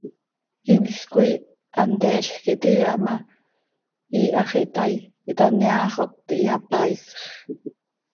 Inl coi hanteezj quih tihiiha ma, iihax ihtaai, ihtaneaaxot, ihyapaaisx.